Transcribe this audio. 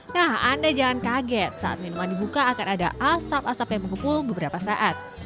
nah anda jangan kaget saat minuman dibuka akan ada asap asap yang mengepul beberapa saat